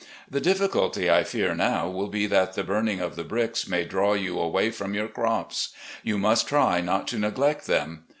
The difficulty I fear now will be that the burning of the bricks may draw you away from your crops. You must try not to neglect them.